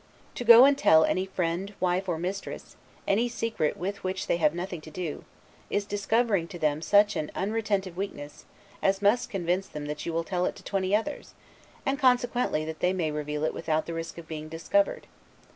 To go and tell any friend, wife, or mistress, any secret with which they have nothing to do, is discovering to them such an unretentive weakness, as must convince them that you will tell it to twenty others, and consequently that they may reveal it without the risk of being discovered.